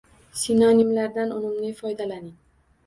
Sinonimlardan unumli foydalaning